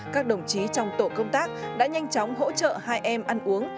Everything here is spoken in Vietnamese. các đồng chí trong tổ công tác đã nhanh chóng hỗ trợ hai em ăn uống